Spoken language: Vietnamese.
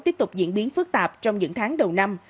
tiếp tục diễn biến phức tạp trong những tháng đầu năm